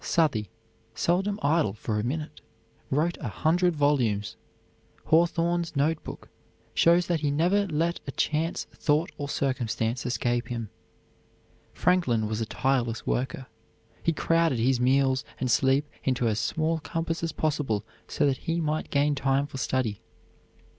Southey, seldom idle for a minute, wrote a hundred volumes. Hawthorne's notebook shows that he never let a chance thought or circumstance escape him. Franklin was a tireless worker. He crowded his meals and sleep into as small compass as possible so that he might gain time for study.